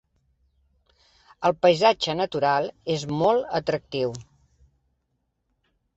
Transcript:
El paisatge natural és molt atractiu.